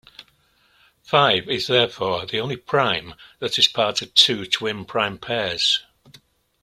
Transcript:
Five is therefore the only prime that is part of two twin prime pairs.